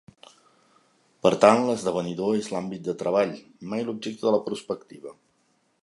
Per tant, l'esdevenidor és l'àmbit de treball, mai l'objecte de la prospectiva.